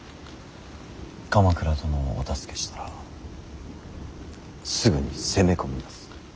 鎌倉殿をお助けしたらすぐに攻め込みます。